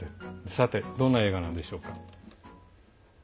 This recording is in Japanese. さて、どんな映画なんでしょうか。